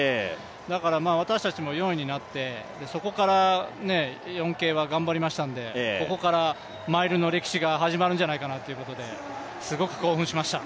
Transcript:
だから私たちも４位になって、そこから４継は頑張りましたのでここからマイルの歴史が始まるんじゃないかということですごく興奮しました。